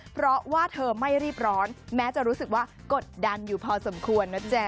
เพราะว่าเธอไม่รีบร้อนแม้จะรู้สึกว่ากดดันอยู่พอสมควรนะจ๊ะ